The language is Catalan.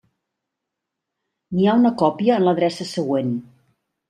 N'hi ha una còpia en l'adreça següent.